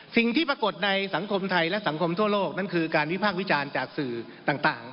สิ่งที่ปรากฏในสังคมไทยและสังคมทั่วโลกนั่นคือการวิพากษ์วิจารณ์จากสื่อต่าง